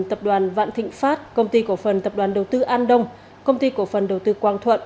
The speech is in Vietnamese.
tập đoàn vạn thịnh pháp công ty cổ phần tập đoàn đầu tư an đông công ty cổ phần đầu tư quang thuận